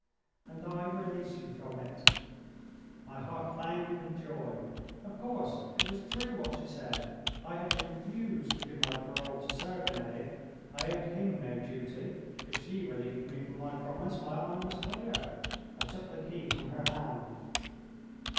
"And I release you from it." My heart bounded with joy. Of course, it was true what she said. I had refused to give my parole to Sergine. I owed him no duty. If she relieved me from my promise my honour was clear. I took the key from her hand.